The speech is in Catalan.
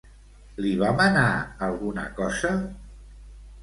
Li va manar alguna cosa?